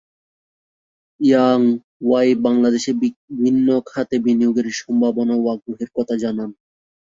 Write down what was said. Young ওয়াই বাংলাদেশে বিভিন্ন খাতে বিনিয়োগের সম্ভাবনা ও আগ্রহের কথা জানান।